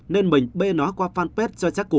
nên mình bê nó qua fanpage cho chắc cú